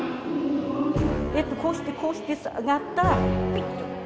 やっぱこうしてこうしてさなった。